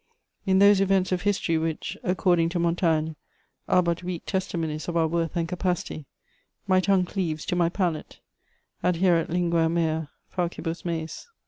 In those events of history which, according to Montaigne, "are but weake testimonies of our worth and capacity," my tongue cleaves to my palate: _adhæret lingua mea faucibus meis.